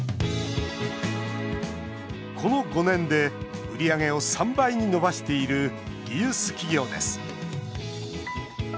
この５年で売り上げを３倍に伸ばしているリユース企業です。